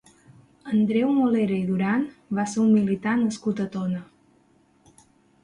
Andreu Molera i Duran va ser un militar nascut a Tona.